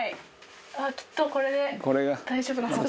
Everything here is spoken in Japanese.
きっとこれで大丈夫なはず。